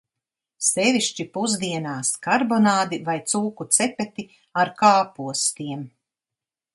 Sevišķi pusdienās, karbonādi vai cūku cepeti ar kāpostiem.